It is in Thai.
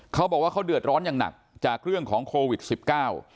เขาบอกว่าเขาเดือดร้อนอย่างหนักจากเรื่องของโควิดสิบเก้า